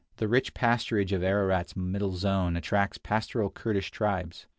The rich pasturage of Ararat's middle zone attracts pastoral Kurdish tribes.